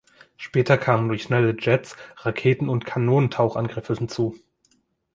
Später kamen durch schnelle Jets Raketen- und Kanonentauchangriffe hinzu.